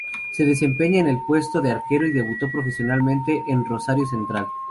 Se desempeñaba en el puesto de arquero y debutó profesionalmente en Rosario Central.